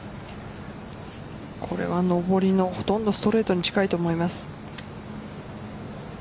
これは上りのほとんどストレートに近いと思います。